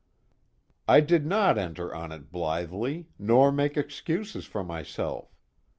"I did not enter on it blithely, nor make excuses for myself.